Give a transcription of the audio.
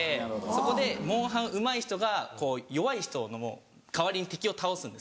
そこで『モンハン』うまい人が弱い人の代わりに敵を倒すんですよ。